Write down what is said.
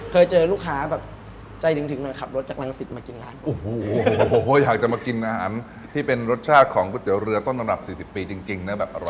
เคยเจอลูกค้าแบบใจหยุดถึง